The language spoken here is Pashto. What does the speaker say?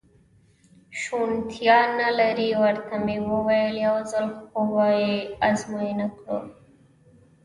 شونېتیا نه لري، ورته مې وویل: یو ځل خو به یې ازموینه کړو.